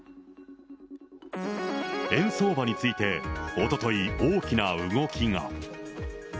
円相場について、おととい、大きな動きが。